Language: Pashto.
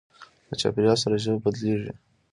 له چاپېریال سره ژبه بدلېږي.